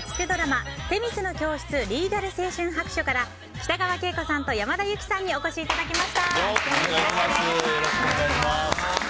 「女神の教室リーガル青春白書」から北川景子さんと山田裕貴さんにお越しいただきました。